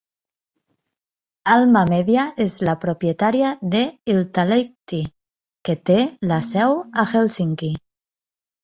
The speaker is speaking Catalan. Alma Media és la propietària de "Iltalehti", que té la seu a Helsinki.